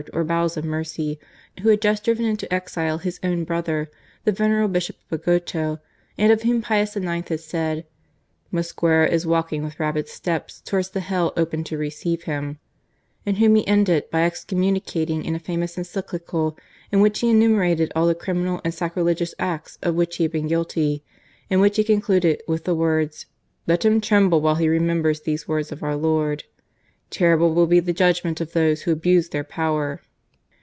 141 or bowels of mercy, who had just driven into exile his own brother, the venerable Bishop of Bogota, and of whom Pius IX. had said :" Mosquera is walking with rapid steps towards the Hell open to receive him," and whom he ended by excom municating in a famous Encyclical in which he enumerated all the criminal and sacrilegious acts of which he had been guilty, and which he con cluded with the words :" Let him tremble while he reipembers these words of our Lord :* Terrible will be the judgment of those who abuse their power.'